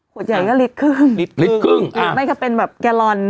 ขวดใหญ่ก็ลิตรครึ่งไม่ก็เป็นแบบแกโลน